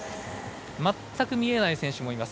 全く見えない選手もいます。